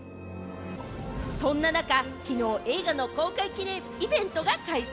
そんな中、きのう映画の公開記念イベントが開催。